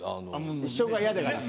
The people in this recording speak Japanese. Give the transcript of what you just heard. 一緒が嫌だから。